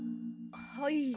はい。